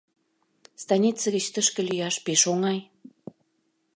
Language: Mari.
Станице гыч тышке лӱяш пеш оҥай.